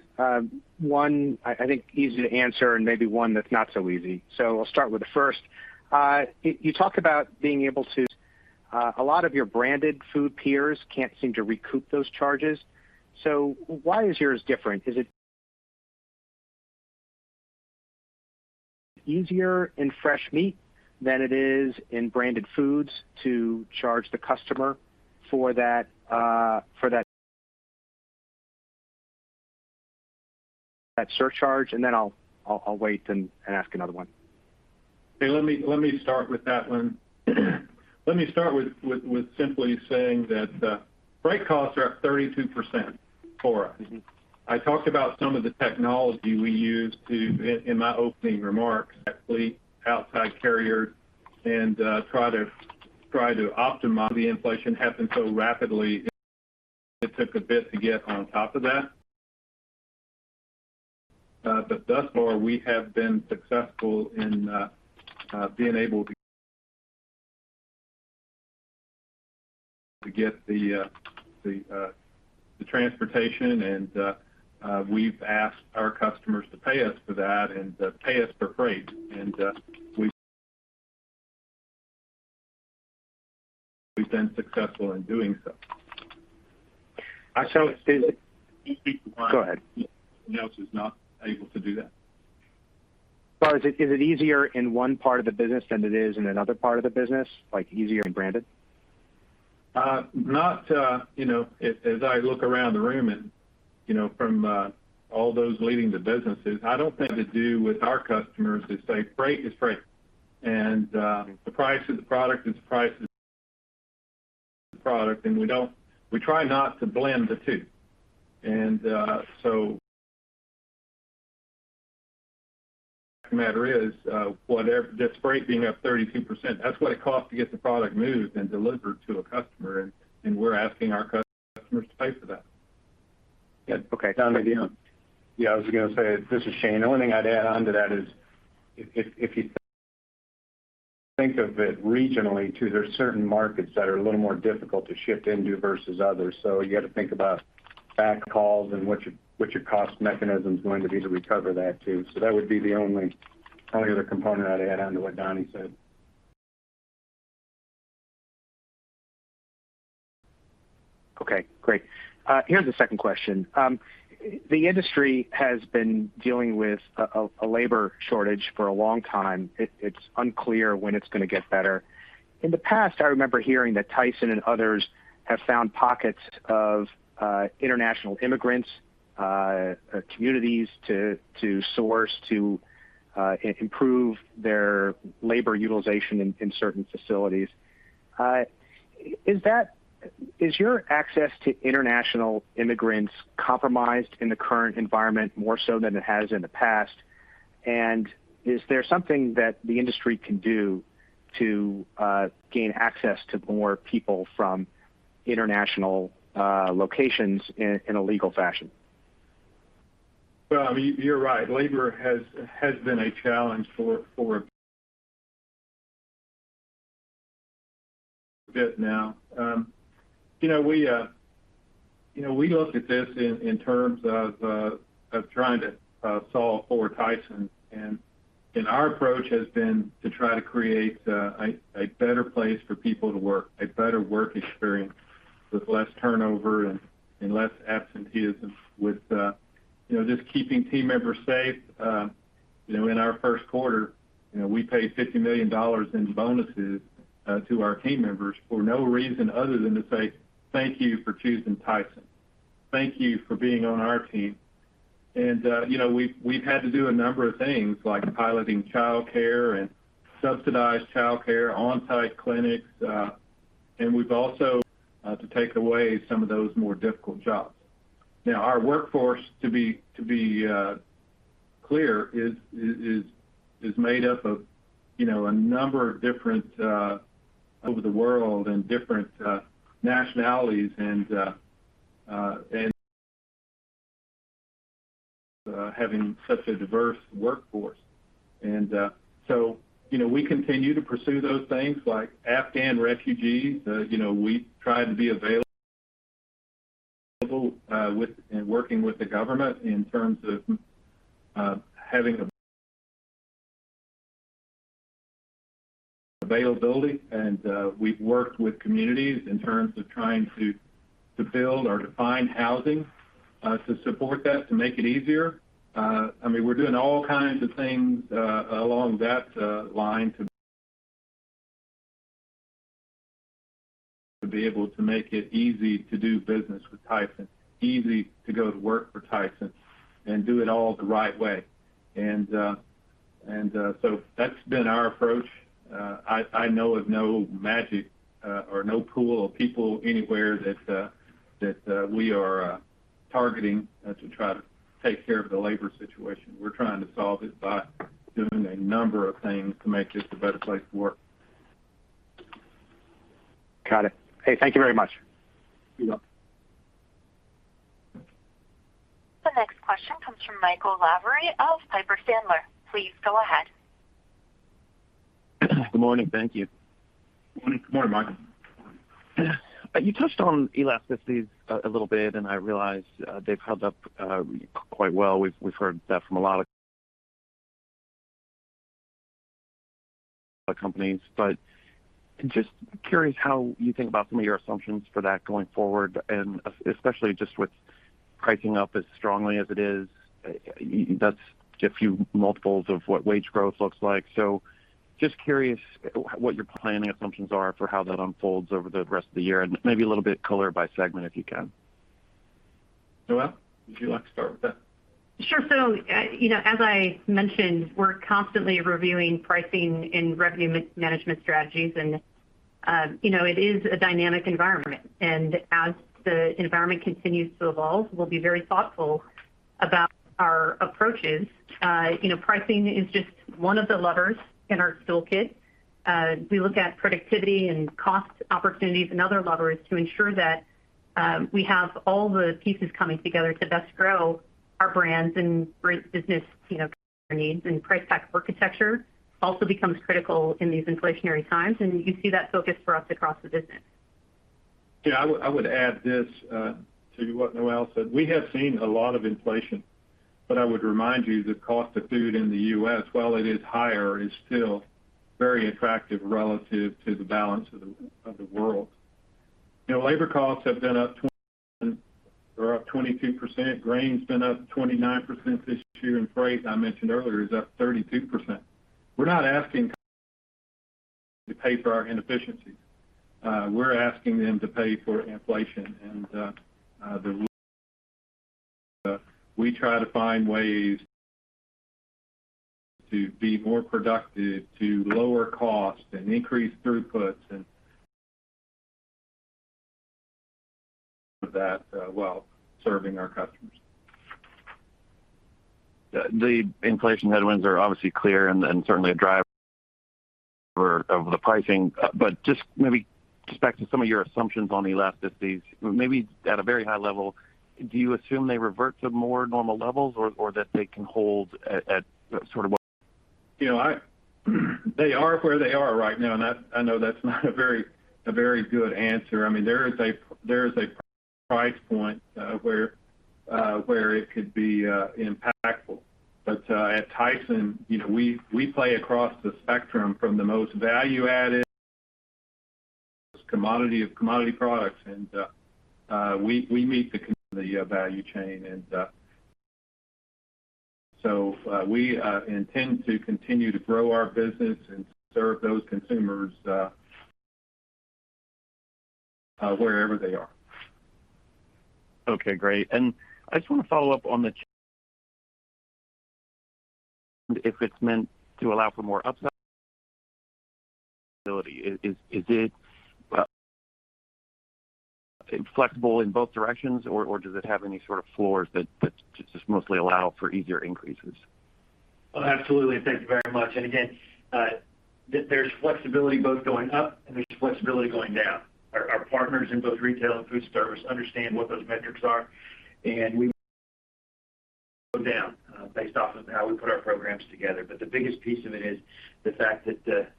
One I think easy to answer and maybe one that's not so easy. I'll start with the first. You talk about being able to, a lot of your branded food peers can't seem to recoup those charges. Why is yours different? Is it easier in fresh meat than it is in branded foods to charge the customer for that surcharge? I'll wait and ask another one. Okay, let me start with that one. Let me start with simply saying that, freight costs are up 32% for us. Mm-hmm. I talked about some of the technology we use in my opening remarks, actually outside carrier and try to optimize. The inflation happened so rapidly, it took a bit to get on top of that. Thus far we have been successful in being able to get the transportation and we've asked our customers to pay us for that and to pay us for freight. We've been successful in doing so. Is it? Can you speak to why Go ahead. Nobody else is not able to do that. Is it easier in one part of the business than it is in another part of the business, like easier in branded? You know, as I look around the room and you know from all those leading the businesses, I don't think it has to do with our customers to say freight is freight. The price of the product is the price of the product, and we try not to blend the two. The matter is whatever, this freight being up 32%, that's what it costs to get the product moved and delivered to a customer, and we're asking our customers to pay for that. Yeah. Okay. Uncertain, to you. Yeah, I was gonna say. This is Shane. The only thing I'd add on to that is if you think of it regionally too, there are certain markets that are a little more difficult to ship into versus others. You got to think about backhauls and what your cost mechanism is going to be to recover that too. That would be the only other component I'd add on to what Donnie said. Okay, great. Here's the second question. The industry has been dealing with a labor shortage for a long time. It's unclear when it's gonna get better. In the past, I remember hearing that Tyson and others have found pockets of international immigrant communities to source to improve their labor utilization in certain facilities. Is your access to international immigrants compromised in the current environment more so than it has in the past? And is there something that the industry can do to gain access to more people from international locations in a legal fashion? Well, I mean, you're right. Labor has been a challenge for a bit now. You know, we look at this in terms of trying to solve for Tyson. Our approach has been to try to create a better place for people to work, a better work experience with less turnover and less absenteeism with you know, just keeping team members safe. You know, in our Q1, you know, we paid $50 million in bonuses to our team members for no reason other than to say, "Thank you for choosing Tyson. Thank you for being on our team." You know, we've had to do a number of things like piloting childcare and subsidized childcare, on-site clinics, and we've also to take away some of those more difficult jobs. Now, our workforce, to be clear, is made up of, you know, a number of different over the world and different nationalities and having such a diverse workforce. You know, we continue to pursue those things like Afghan refugees. You know, we try to be available with and working with the government in terms of having availability. We've worked with communities in terms of trying to build or to find housing to support that, to make it easier. I mean, we're doing all kinds of things along that line to be able to make it easy to do business with Tyson, easy to go to work for Tyson and do it all the right way. That's been our approach. I know of no magic or no pool of people anywhere that we are targeting to try to take care of the labor situation. We're trying to solve it by doing a number of things to make this a better place to work. Got it. Hey, thank you very much. You're welcome. The next question comes from Michael Lavery of Piper Sandler. Please go ahead. Good morning. Thank you. Good morning. Good morning, Michael. You touched on elasticities a little bit, and I realize they've held up quite well. We've heard that from a lot of companies. Just curious how you think about some of your assumptions for that going forward, and especially just with pricing up as strongly as it is, that's a few multiples of what wage growth looks like. Just curious what your planning assumptions are for how that unfolds over the rest of the year, and maybe a little bit color by segment, if you can. Noelle, would you like to start with that? Sure. You know, as I mentioned, we're constantly reviewing pricing and revenue management strategies. You know, it is a dynamic environment, and as the environment continues to evolve, we'll be very thoughtful about our approaches. You know, pricing is just one of the levers in our toolkit. We look at productivity and cost opportunities and other levers to ensure that we have all the pieces coming together to best grow our brands and bring business, you know, needs and price pack architecture also becomes critical in these inflationary times, and you see that focus for us across the business. Yeah, I would add this to what Noelle said. We have seen a lot of inflation, but I would remind you the cost of food in the U.S., while it is higher, is still very attractive relative to the balance of the world. You know, labor costs have been up 22%. Grain's been up 29% this year, and freight, I mentioned earlier, is up 32%. We're not asking to pay for our inefficiencies. We're asking them to pay for inflation and the. We try to find ways to be more productive, to lower costs and increase throughputs and that while serving our customers. The inflation headwinds are obviously clear and certainly a driver of the pricing. Maybe back to some of your assumptions on elasticity, maybe at a very high level, do you assume they revert to more normal levels or that they can hold at sort of what- You know, they are where they are right now, and that. I know that's not a very good answer. I mean, there is a price point where it could be impactful. At Tyson, you know, we play across the spectrum from the most value-added to commodity products and we meet the value chain and so we intend to continue to grow our business and serve those consumers wherever they are. Okay, great. I just wanna follow up on if it's meant to allow for more upside, is it flexible in both directions or does it have any sort of floors that just mostly allow for easier increases? Oh, absolutely. Thank you very much. Again, there's flexibility both going up and there's flexibility going down. Our partners in both retail and food service understand what those metrics are, and we go down based off of how we put our programs together. But the biggest piece of it is the fact that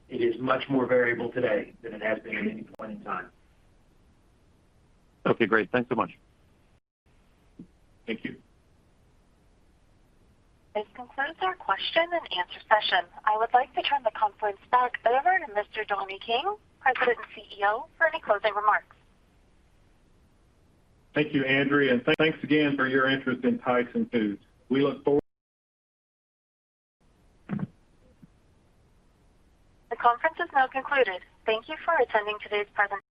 it is much more variable today than it has been at any point in time. Okay, great. Thanks so much. Thank you. This concludes our question and answer session. I would like to turn the conference back over to Mr. Donnie King, President and CEO, for any closing remarks. Thank you, Andrea, and thanks again for your interest in Tyson Foods. We look forward. The conference is now concluded. Thank you for attending today's presentation.